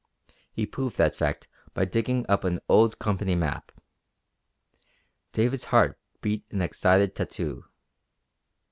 He proved that fact by digging up an old Company map. David's heart beat an excited tattoo.